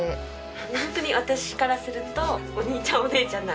本当に私からするとお兄ちゃんお姉ちゃんなので。